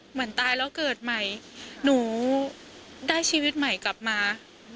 เหมือนตายแล้วเกิดใหม่หนูได้ชีวิตใหม่กลับมา